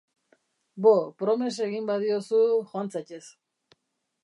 Bo, promes egin badiozu, joan zaitez.